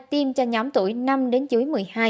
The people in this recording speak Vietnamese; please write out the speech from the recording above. tiêm cho nhóm tuổi năm đến dưới một mươi hai